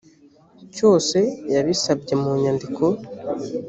cyose yabisabye mu nyandiko